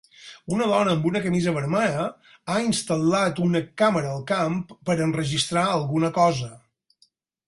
Una dona amb una camisa vermella ha instal·lat una càmera al camp per enregistrar alguna cosa.